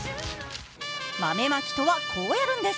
豆まきとはこうやるんです。